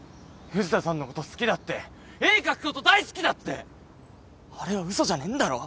藤田さんのこと好きだって絵描くこと大好きだってあれは嘘じゃねえんだろ？